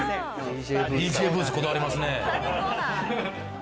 ＤＪブースこだわりますね。